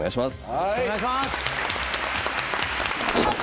よろしくお願いします！